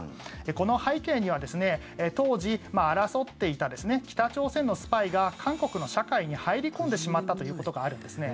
この背景には当時、争っていた北朝鮮のスパイが韓国の社会に入り込んでしまったということがあるんですね。